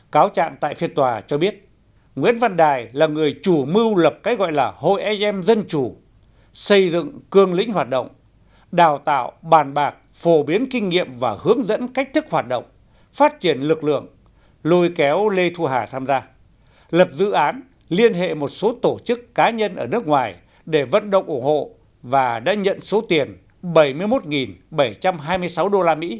cáo trạng tại phiên tòa cho biết nguyễn văn đài là người chủ mưu lập cái gọi là hội am dân chủ xây dựng cương lĩnh hoạt động đào tạo bàn bạc phổ biến kinh nghiệm và hướng dẫn cách thức hoạt động phát triển lực lượng lùi kéo lê thu hà tham gia lập dự án liên hệ một số tổ chức cá nhân ở nước ngoài để vận động ủng hộ và đã nhận số tiền bảy mươi một bảy trăm hai mươi sáu usd